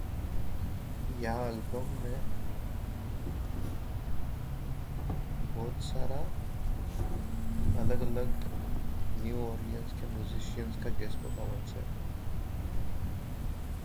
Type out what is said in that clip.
The album includes guest performances by a range of New Orleans musicians.